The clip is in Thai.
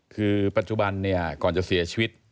คือปัจจุบันเนี่ยก่อนจะเสียชีวิต